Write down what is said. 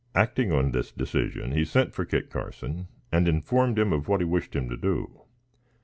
Acting on this decision, he sent for Kit Carson and informed him of what he wished him to do.